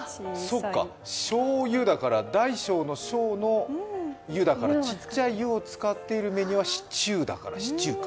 そっか、しょう「ゆ」だから大小の小のゆだから、小さい「ゆ」を使っているメニューはシチューだからシチューか。